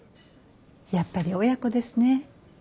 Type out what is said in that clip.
やっぱり親子ですね。